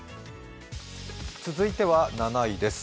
続いては７位です。